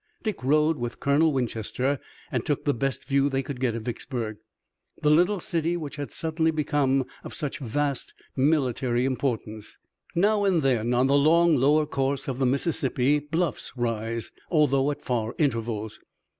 Dick rode with Colonel Winchester and took the best view they could get of Vicksburg, the little city which had suddenly become of such vast military importance. Now and then on the long, lower course of the Mississippi, bluffs rise, although at far intervals.